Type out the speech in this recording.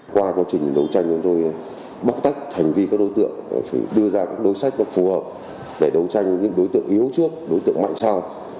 qua quá trình đấu tranh chúng tôi bóc tách hành vi các đối tượng đưa ra các đối sách nó phù hợp để đấu tranh với những đối tượng yếu trước đối tượng mạnh sau